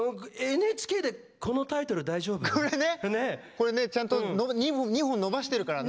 これねちゃんと２本伸ばしてるからね。